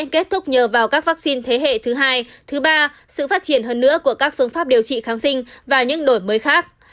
kết thúc nhờ vào các vaccine thế hệ thứ hai thứ ba sự phát triển hơn nữa của các phương pháp điều trị kháng sinh và những đổi mới khác